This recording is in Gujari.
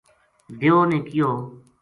دیو نے کہیو